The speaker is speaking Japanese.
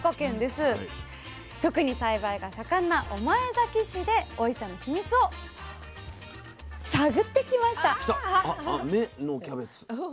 特に栽培が盛んな御前崎市でおいしさの秘密を探ってきました。